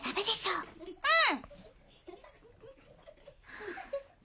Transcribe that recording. うん。